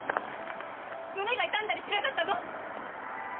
胸が痛んだりしなかったの？